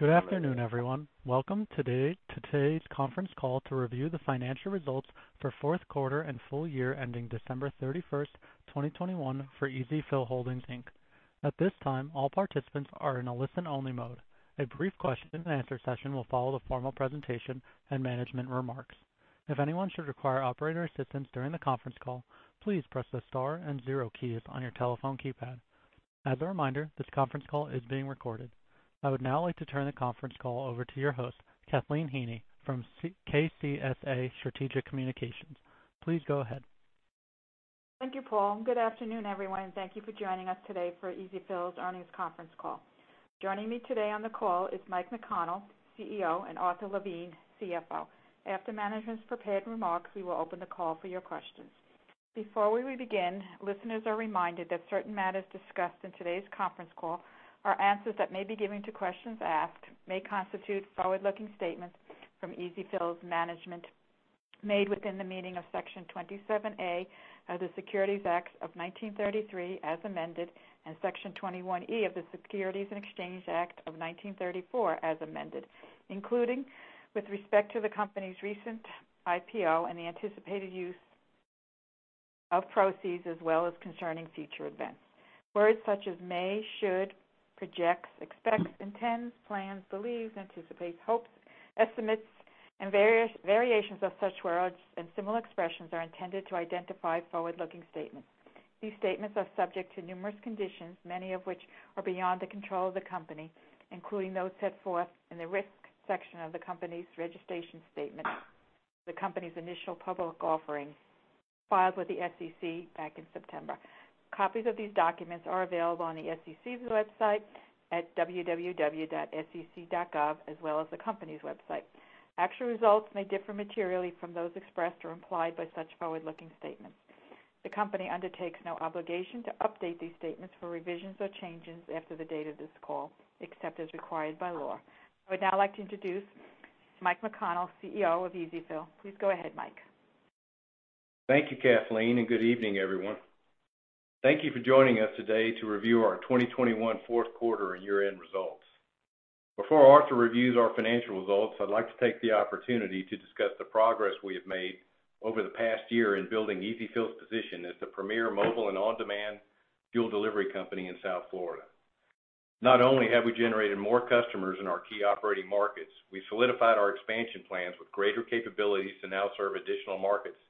Good afternoon, everyone. Welcome to today's conference call to review the financial results for fourth quarter and full-year ending December 31st, 2021 for EzFill Holdings, Inc. At this time, all participants are in a listen-only mode. A brief question and answer session will follow the formal presentation and management remarks. If anyone should require operator assistance during the conference call, please press the star and zero keys on your telephone keypad. As a reminder, this conference call is being recorded. I would now like to turn the conference call over to your host, Kathleen Heaney from KCSA Strategic Communications. Please go ahead. Thank you, Paul. Good afternoon, everyone. Thank you for joining us today for EzFill's earnings conference call. Joining me today on the call is Mike McConnell, CEO, and Arthur Levine, CFO. After management's prepared remarks, we will open the call for your questions. Before we begin, listeners are reminded that certain matters discussed in today's conference call or answers that may be given to questions asked may constitute forward-looking statements from EzFill's management made within the meaning of Section 27A of the Securities Act of 1933 as amended and Section 21E of the Securities Exchange Act of 1934 as amended, including with respect to the company's recent IPO and the anticipated use of proceeds as well as concerning future events. Words such as may, should, projects, expects, intends, plans, believes, anticipates, hopes, estimates, and various variations of such words and similar expressions are intended to identify forward-looking statements. These statements are subject to numerous conditions, many of which are beyond the control of the company, including those set forth in the Risk section of the company's registration statement, the company's initial public offering filed with the SEC back in September. Copies of these documents are available on the SEC's website at www.sec.gov, as well as the company's website. Actual results may differ materially from those expressed or implied by such forward-looking statements. The company undertakes no obligation to update these statements for revisions or changes after the date of this call, except as required by law. I would now like to introduce Mike McConnell, CEO of EzFill. Please go ahead, Mike. Thank you, Kathleen, and good evening, everyone. Thank you for joining us today to review our 2021 fourth quarter and year-end results. Before Arthur reviews our financial results, I'd like to take the opportunity to discuss the progress we have made over the past year in building EzFill's position as the premier mobile and on-demand fuel delivery company in South Florida. Not only have we generated more customers in our key operating markets, we solidified our expansion plans with greater capabilities to now serve additional markets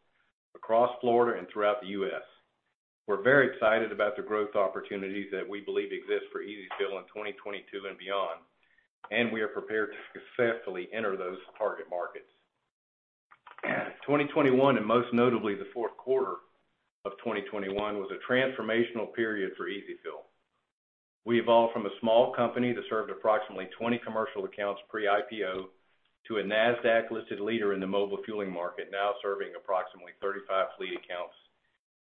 across Florida and throughout the U.S. We're very excited about the growth opportunities that we believe exist for EzFill in 2022 and beyond, and we are prepared to successfully enter those target markets. 2021, and most notably the fourth quarter of 2021, was a transformational period for EzFill. We evolved from a small company that served approximately 20 commercial accounts pre-IPO to a Nasdaq-listed leader in the mobile fueling market, now serving approximately 35 fleet accounts,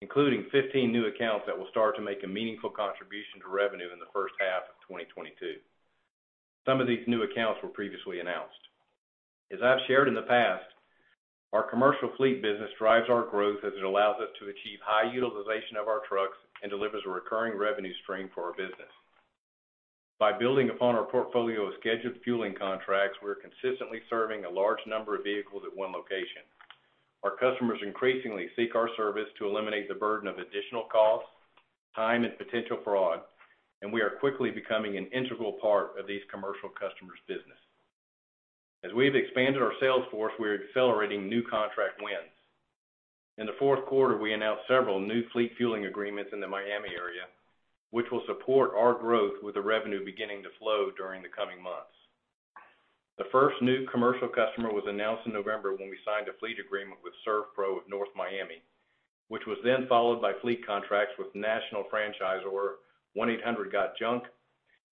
including 15 new accounts that will start to make a meaningful contribution to revenue in the first half of 2022. Some of these new accounts were previously announced. As I've shared in the past, our commercial fleet business drives our growth as it allows us to achieve high utilization of our trucks and delivers a recurring revenue stream for our business. By building upon our portfolio of scheduled fueling contracts, we're consistently serving a large number of vehicles at one location. Our customers increasingly seek our service to eliminate the burden of additional costs, time, and potential fraud, and we are quickly becoming an integral part of these commercial customers' business. As we've expanded our sales force, we're accelerating new contract wins. In the fourth quarter, we announced several new fleet fueling agreements in the Miami area, which will support our growth with the revenue beginning to flow during the coming months. The first new commercial customer was announced in November when we signed a fleet agreement with SERVPRO of North Miami, which was then followed by fleet contracts with national franchisor 1-800-GOT-JUNK?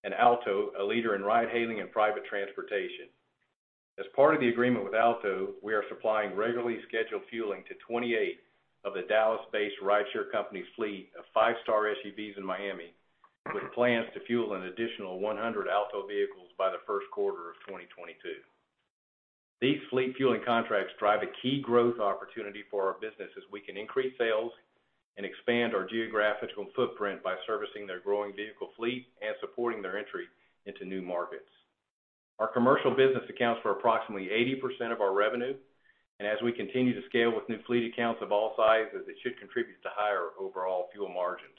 and Alto, a leader in ride hailing and private transportation. As part of the agreement with Alto, we are supplying regularly scheduled fueling to 28 of the Dallas-based rideshare company's fleet of five-star SUVs in Miami, with plans to fuel an additional 100 Alto vehicles by the first quarter of 2022. These fleet fueling contracts drive a key growth opportunity for our business as we can increase sales and expand our geographical footprint by servicing their growing vehicle fleet and supporting their entry into new markets. Our commercial business accounts for approximately 80% of our revenue, and as we continue to scale with new fleet accounts of all sizes, it should contribute to higher overall fuel margins.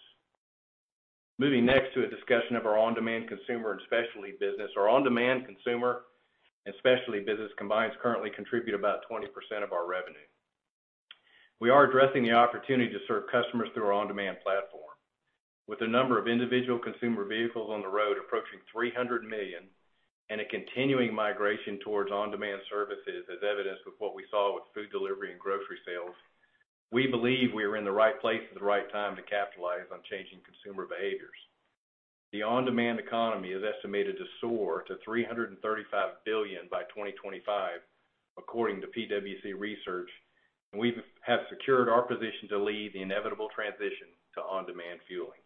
Moving next to a discussion of our on-demand consumer and specialty business. Our on-demand consumer and specialty business combined currently contribute about 20% of our revenue. We are addressing the opportunity to serve customers through our on-demand platform. With the number of individual consumer vehicles on the road approaching 300 million and a continuing migration towards on-demand services as evidenced with what we saw with food delivery and grocery sales, we believe we are in the right place at the right time to capitalize on changing consumer behaviors. The on-demand economy is estimated to soar to $335 billion by 2025 according to PwC Research, and we've secured our position to lead the inevitable transition to on-demand fueling.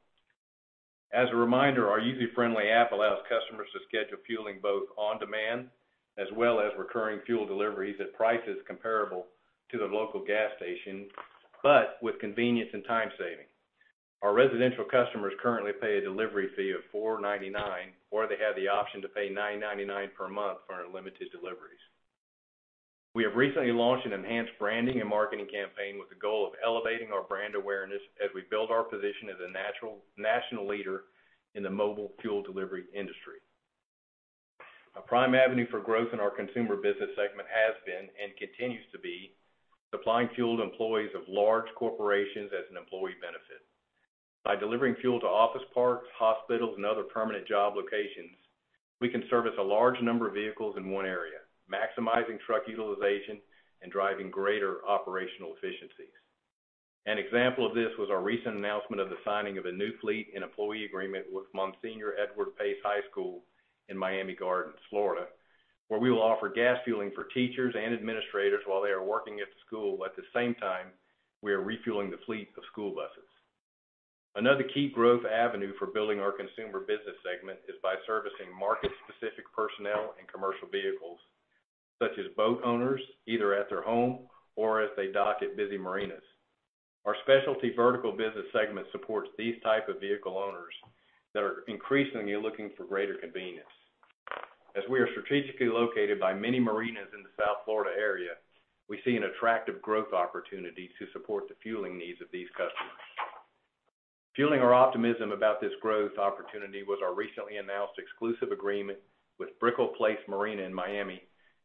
As a reminder, our user-friendly app allows customers to schedule fueling both on-demand as well as recurring fuel deliveries at prices comparable to the local gas station, but with convenience and time saving. Our residential customers currently pay a delivery fee of $4.99, or they have the option to pay $9.99 per month for unlimited deliveries. We have recently launched an enhanced branding and marketing campaign with the goal of elevating our brand awareness as we build our position as a national leader in the mobile fuel delivery industry. A prime avenue for growth in our consumer business segment has been and continues to be supplying fuel to employees of large corporations as an employee benefit. By delivering fuel to office parks, hospitals and other permanent job locations, we can service a large number of vehicles in one area, maximizing truck utilization and driving greater operational efficiencies. An example of this was our recent announcement of the signing of a new fleet and employee agreement with Monsignor Edward Pace High School in Miami Gardens, Florida, where we will offer gas fueling for teachers and administrators while they are working at the school. At the same time, we are refueling the fleet of school buses. Another key growth avenue for building our consumer business segment is by servicing market-specific personnel and commercial vehicles, such as boat owners, either at their home or as they dock at busy marinas. Our specialty vertical business segment supports these type of vehicle owners that are increasingly looking for greater convenience. As we are strategically located by many marinas in the South Florida area, we see an attractive growth opportunity to support the fueling needs of these customers. Fueling our optimism about this growth opportunity was our recently announced exclusive agreement with Brickell Place Marina in Miami,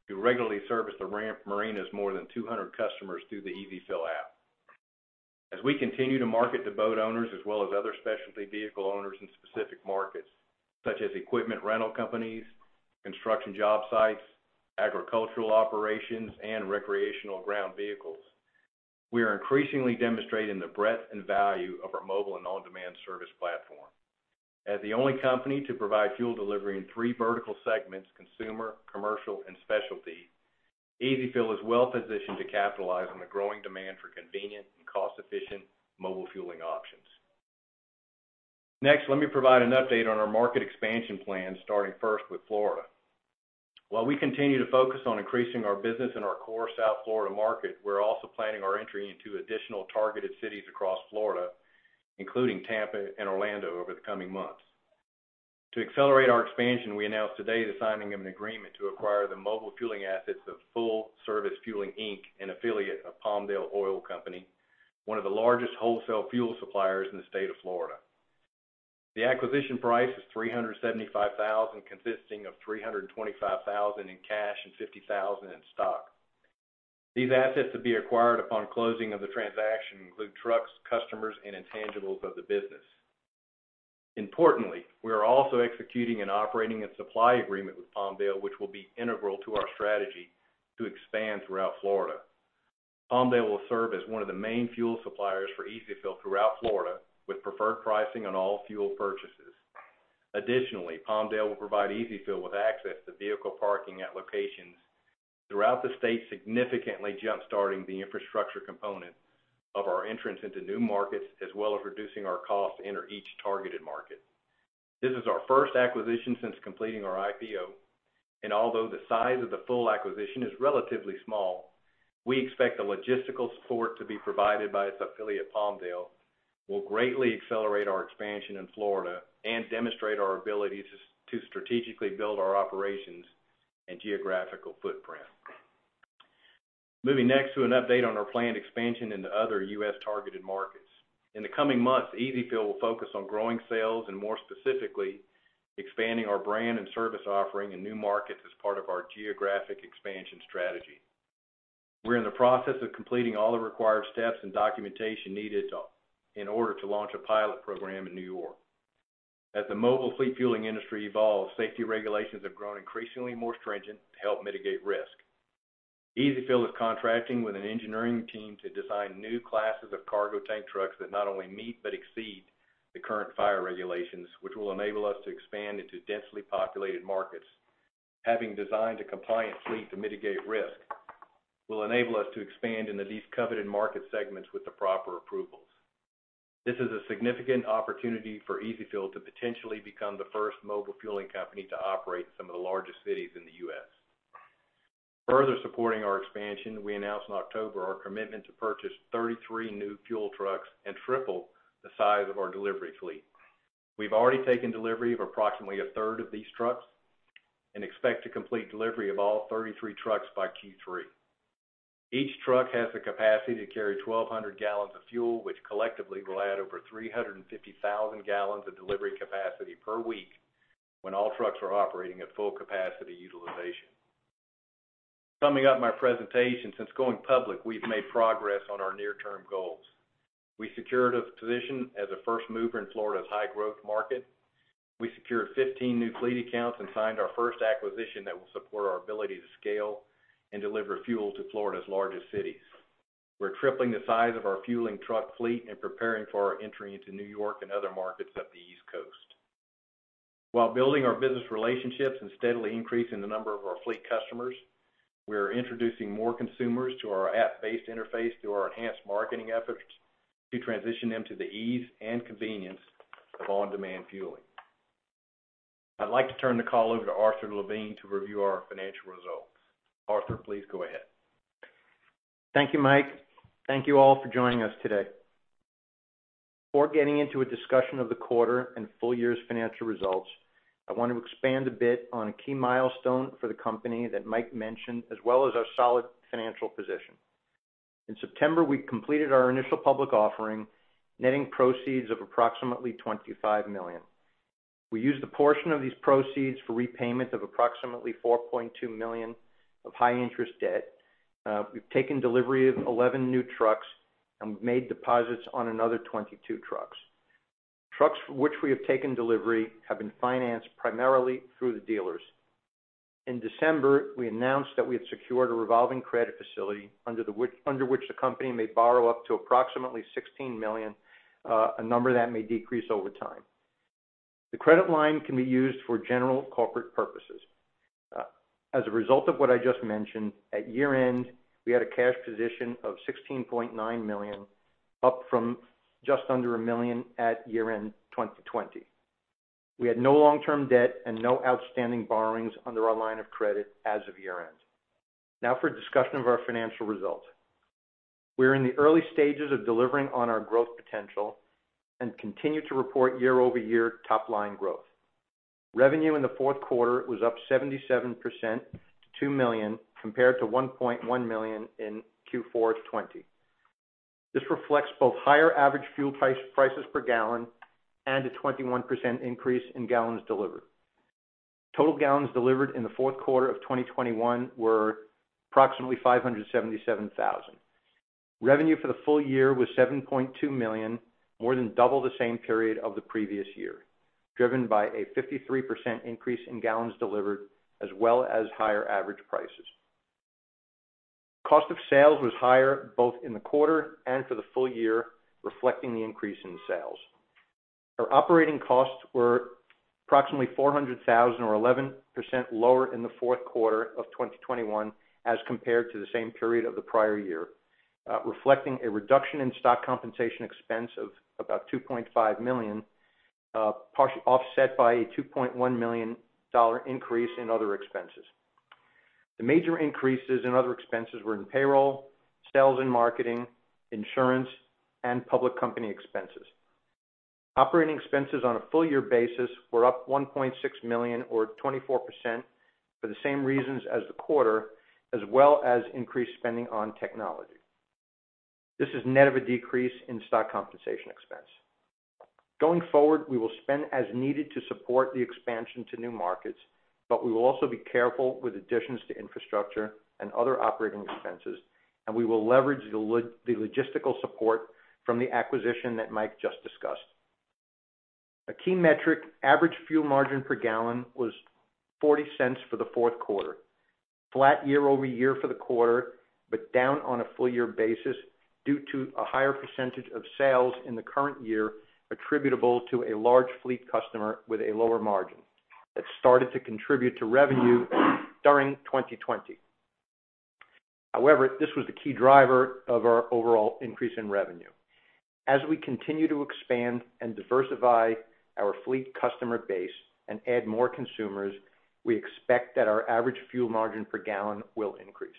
who regularly service the ramp marina's more than 200 customers through the EzFill app. As we continue to market to boat owners as well as other specialty vehicle owners in specific markets such as equipment rental companies, construction job sites, agricultural operations, and recreational ground vehicles, we are increasingly demonstrating the breadth and value of our mobile and on-demand service platform. As the only company to provide fuel delivery in three vertical segments consumer, commercial, and specialty, EzFill is well-positioned to capitalize on the growing demand for convenient and cost-efficient mobile fueling options. Next, let me provide an update on our market expansion plans, starting first with Florida. While we continue to focus on increasing our business in our core South Florida market, we're also planning our entry into additional targeted cities across Florida, including Tampa and Orlando over the coming months. To accelerate our expansion, we announced today the signing of an agreement to acquire the mobile fueling assets of Full Service Fueling Inc, an affiliate of Palmdale Oil Company, one of the largest wholesale fuel suppliers in the state of Florida. The acquisition price is $375,000, consisting of $325,000 in cash and $50,000 in stock. These assets to be acquired upon closing of the transaction include trucks, customers, and intangibles of the business. Importantly, we are also executing an operating and supply agreement with Palmdale, which will be integral to our strategy to expand throughout Florida. Palmdale will serve as one of the main fuel suppliers for EzFill throughout Florida, with preferred pricing on all fuel purchases. Additionally, Palmdale will provide EzFill with access to vehicle parking at locations throughout the state, significantly jump-starting the infrastructure component of our entrance into new markets, as well as reducing our cost to enter each targeted market. This is our first acquisition since completing our IPO. Although the size of the full acquisition is relatively small, we expect the logistical support to be provided by its affiliate, Palmdale, will greatly accelerate our expansion in Florida and demonstrate our ability to strategically build our operations and geographical footprint. Moving next to an update on our planned expansion into other U.S. targeted markets. In the coming months, EzFill will focus on growing sales and more specifically, expanding our brand and service offering in new markets as part of our geographic expansion strategy. We're in the process of completing all the required steps and documentation needed to launch a pilot program in New York. As the mobile fleet fueling industry evolves, safety regulations have grown increasingly more stringent to help mitigate risk. EzFill is contracting with an engineering team to design new classes of cargo tank trucks that not only meet but exceed the current fire regulations, which will enable us to expand into densely populated markets. Having designed a compliant fleet to mitigate risk will enable us to expand into these coveted market segments with the proper approvals. This is a significant opportunity for EzFill to potentially become the first mobile fueling company to operate in some of the largest cities in the U.S. Further supporting our expansion, we announced in October our commitment to purchase 33 new fuel trucks and triple the size of our delivery fleet. We've already taken delivery of approximately a third of these trucks and expect to complete delivery of all 33 trucks by third quarter. Each truck has the capacity to carry 1,200 gallons of fuel, which collectively will add over 350,000 gallons of delivery capacity per week when all trucks are operating at full capacity utilization. Summing up my presentation, since going public, we've made progress on our near-term goals. We secured a position as a first mover in Florida's high growth market. We secured 15 new fleet accounts and signed our first acquisition that will support our ability to scale and deliver fuel to Florida's largest cities. We're tripling the size of our fueling truck fleet and preparing for our entry into New York and other markets up the East Coast. While building our business relationships and steadily increasing the number of our fleet customers, we are introducing more consumers to our app-based interface through our enhanced marketing efforts to transition them to the ease and convenience of on-demand fueling. I'd like to turn the call over to Arthur Levine to review our financial results. Arthur, please go ahead. Thank you, Mike. Thank you all for joining us today. Before getting into a discussion of the quarter and full year's financial results, I want to expand a bit on a key milestone for the company that Mike mentioned, as well as our solid financial position. In September, we completed our initial public offering, netting proceeds of approximately $25 million. We used a portion of these proceeds for repayment of approximately $4.2 million of high interest debt. We've taken delivery of 11 new trucks, and we've made deposits on another 22 trucks. Trucks which we have taken delivery have been financed primarily through the dealers. In December, we announced that we had secured a revolving credit facility under which the company may borrow up to approximately $16 million, a number that may decrease over time. The credit line can be used for general corporate purposes. As a result of what I just mentioned, at year-end, we had a cash position of $16.9 million, up from just under $1 million at year-end 2020. We had no long-term debt and no outstanding borrowings under our line of credit as of year-end. Now for a discussion of our financial results. We're in the early stages of delivering on our growth potential and continue to report year-over-year top line growth. Revenue in the fourth quarter was up 77% to $2 million, compared to $1.1 million in fourth quarter 2020. This reflects both higher average fuel prices per gallon and a 21% increase in gallons delivered. Total gallons delivered in the fourth quarter of 2021 were approximately 577,000. Revenue for the full-year was $7.2 million, more than double the same period of the previous year, driven by a 53% increase in gallons delivered as well as higher average prices. Cost of sales was higher both in the quarter and for the full-year, reflecting the increase in sales. Our operating costs were approximately $400,000 or 11% lower in the fourth quarter of 2021 as compared to the same period of the prior year, reflecting a reduction in stock compensation expense of about $2.5 million, offset by a $2.1 million increase in other expenses. The major increases in other expenses were in payroll, sales and marketing, insurance, and public company expenses. Operating expenses on a full-year basis were up $1.6 million or 24% for the same reasons as the quarter, as well as increased spending on technology. This is net of a decrease in stock compensation expense. Going forward, we will spend as needed to support the expansion to new markets, but we will also be careful with additions to infrastructure and other operating expenses, and we will leverage the logistical support from the acquisition that Mike just discussed. A key metric, average fuel margin per gallon, was $0.40 for the fourth quarter. Flat year-over-year for the quarter, but down on a full-year basis due to a higher percentage of sales in the current year attributable to a large fleet customer with a lower margin that started to contribute to revenue during 2020. However, this was the key driver of our overall increase in revenue. As we continue to expand and diversify our fleet customer base and add more consumers, we expect that our average fuel margin per gallon will increase.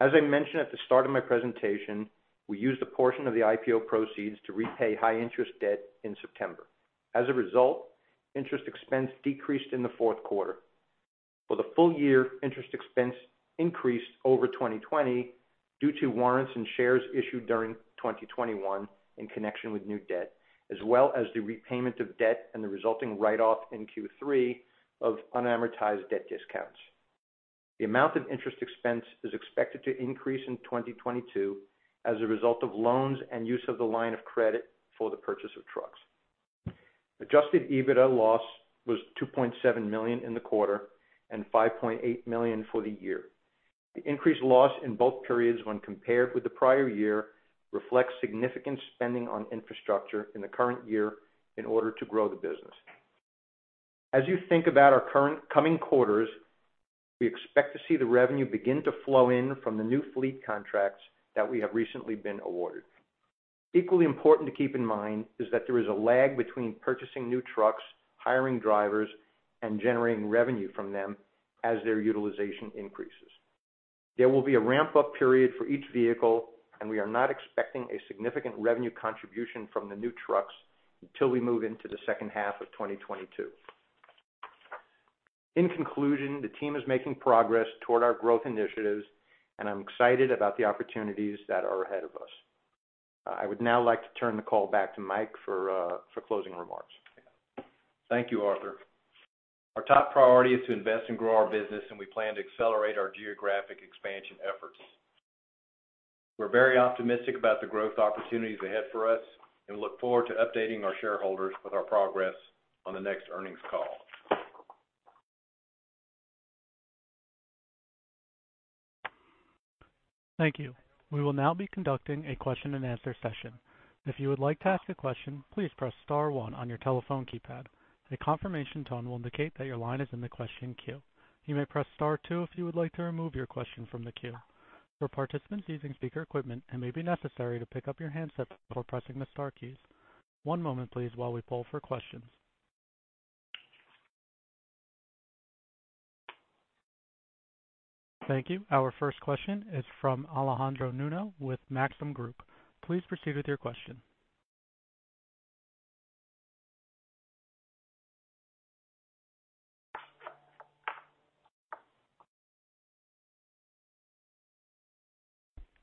As I mentioned at the start of my presentation, we used a portion of the IPO proceeds to repay high interest debt in September. As a result, interest expense decreased in the fourth quarter. For the full-year, interest expense increased over 2020 due to warrants and shares issued during 2021 in connection with new debt, as well as the repayment of debt and the resulting write-off in third quarter of unamortized debt discounts. The amount of interest expense is expected to increase in 2022 as a result of loans and use of the line of credit for the purchase of trucks. Adjusted EBITDA loss was $2.7 million in the quarter and $5.8 million for the year. The increased loss in both periods when compared with the prior year reflects significant spending on infrastructure in the current year in order to grow the business. As you think about our current coming quarters, we expect to see the revenue begin to flow in from the new fleet contracts that we have recently been awarded. Equally important to keep in mind is that there is a lag between purchasing new trucks, hiring drivers, and generating revenue from them as their utilization increases. There will be a ramp-up period for each vehicle, and we are not expecting a significant revenue contribution from the new trucks until we move into the second half of 2022. In conclusion, the team is making progress toward our growth initiatives, and I'm excited about the opportunities that are ahead of us. I would now like to turn the call back to Mike for closing remarks. Thank you, Arthur. Our top priority is to invest and grow our business, and we plan to accelerate our geographic expansion efforts. We're very optimistic about the growth opportunities ahead for us and look forward to updating our shareholders with our progress on the next earnings call. Thank you. We will now be conducting a question and answer session. If you would like to ask a question, please press star one on your telephone keypad. A confirmation tone will indicate that your line is in the question queue. You may press star two if you would like to remove your question from the queue. For participants using speaker equipment, it may be necessary to pick up your handsets before pressing the star keys. One moment, please, while we poll for questions. Thank you. Our first question is from Alejandro Nuno with Maxim Group. Please proceed with your question.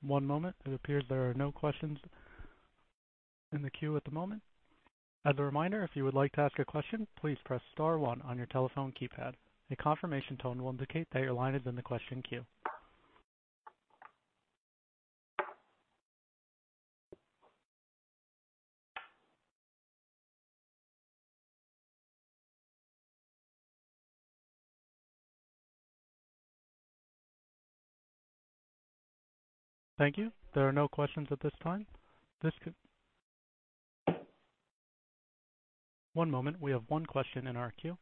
One moment. It appears there are no questions in the queue at the moment. As a reminder, if you would like to ask a question, please press star one on your telephone keypad. A confirmation tone will indicate that your line is in the question queue. Thank you. There are no questions at this time. We have one question in our queue.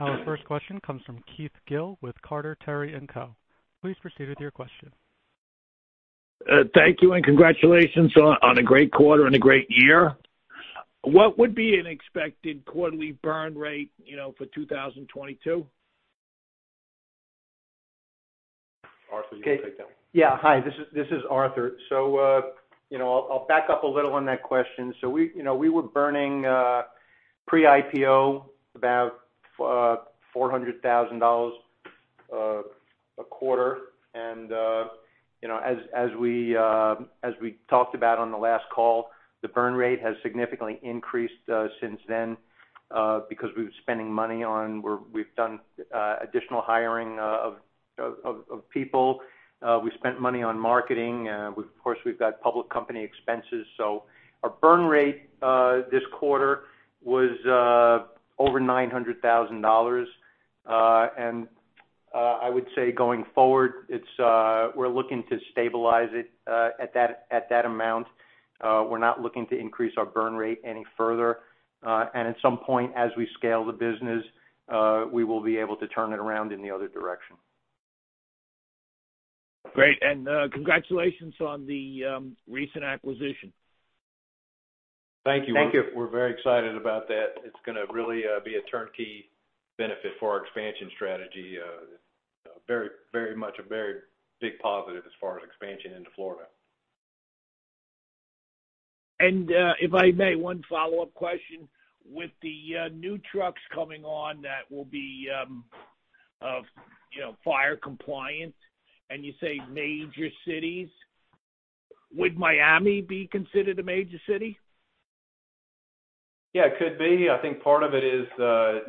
Our first question comes from Keith Gill with Carter, Terry & Co. Please proceed with your question. Thank you and congratulations on a great quarter and a great year. What would be an expected quarterly burn rate, you know, for 2022? Arthur, you can take that one. Hi, this is Arthur. I'll back up a little on that question. We were burning pre-IPO about $400,000 a quarter. As we talked about on the last call, the burn rate has significantly increased since then because we've been spending money on. We've done additional hiring of people. We've spent money on marketing. Of course, we've got public company expenses. Our burn rate this quarter was over $900,000. I would say going forward, we're looking to stabilize it at that amount. We're not looking to increase our burn rate any further. At some point, as we scale the business, we will be able to turn it around in the other direction. Great. Congratulations on the recent acquisition. Thank you. Thank you. We're very excited about that. It's gonna really be a turnkey benefit for our expansion strategy. Very much a very big positive as far as expansion into Florida. If I may, one follow-up question. With the new trucks coming on that will be, you know, fire compliant, and you say major cities, would Miami be considered a major city? Yeah, it could be. I think part of it is,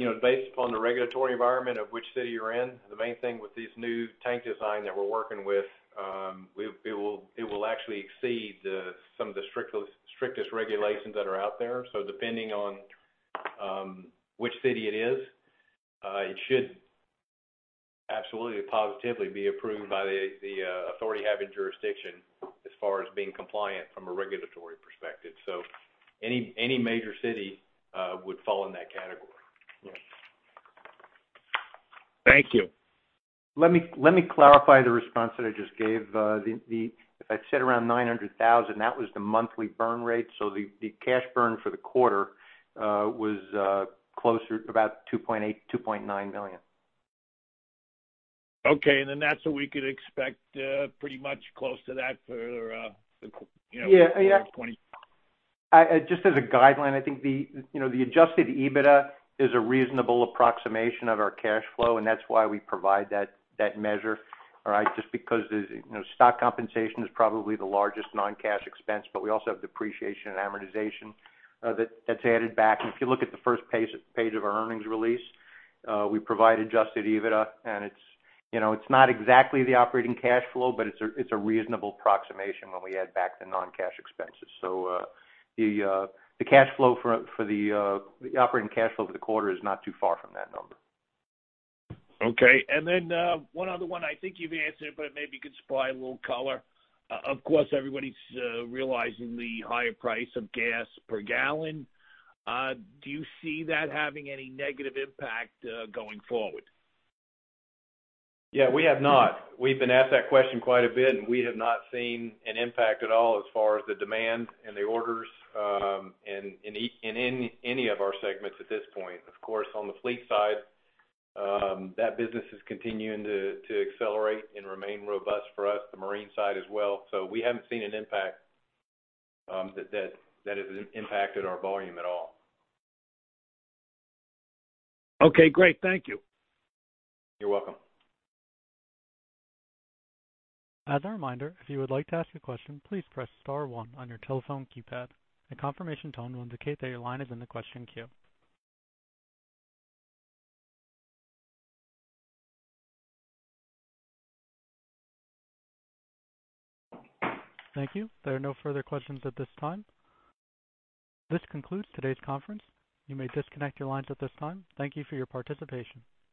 you know, based upon the regulatory environment of which city you're in. The main thing with this new tank design that we're working with, it will actually exceed some of the strictest regulations that are out there. Depending on which city it is, it should absolutely, positively be approved by the authority having jurisdiction as far as being compliant from a regulatory perspective. Any major city would fall in that category. Yes. Thank you. Let me clarify the response that I just gave. If I said around 900,000, that was the monthly burn rate. The cash burn for the quarter was closer to about $2.8 million-$2.9 million. Okay. That's what we could expect, pretty much close to that for, you know, 20, Just as a guideline, I think, you know, the adjusted EBITDA is a reasonable approximation of our cash flow, and that's why we provide that measure. All right. Just because, you know, stock compensation is probably the largest non-cash expense, but we also have depreciation and amortization, that's added back. If you look at the first page of our earnings release, we provide adjusted EBITDA, and it's, you know, it's not exactly the operating cash flow, but it's a reasonable approximation when we add back the non-cash expenses. The cash flow for the operating cash flow for the quarter is not too far from that number. Okay. One other one. I think you've answered, but maybe you could supply a little color. Of course, everybody's realizing the higher price of gas per gallon. Do you see that having any negative impact going forward? Yeah, we have not. We've been asked that question quite a bit, and we have not seen an impact at all as far as the demand and the orders, and in any of our segments at this point. Of course, on the fleet side, that business is continuing to accelerate and remain robust for us, the marine side as well. We haven't seen an impact that has impacted our volume at all. Okay, great. Thank you. You're welcome. As a reminder, if you would like to ask a question, please press star one on your telephone keypad. A confirmation tone will indicate that your line is in the question queue. Thank you. There are no further questions at this time. This concludes today's conference. You may disconnect your lines at this time. Thank you for your participation.